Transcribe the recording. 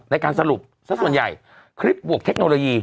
ในการสรุปสักส่วนใหญ่คลิปบวกเทคโนโลยี